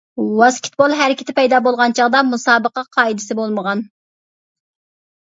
ۋاسكېتبول ھەرىكىتى پەيدا بولغان چاغدا مۇسابىقە قائىدىسى بولمىغان.